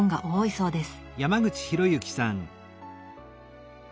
そうです。